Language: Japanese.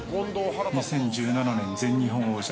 ２０１７年全日本王者。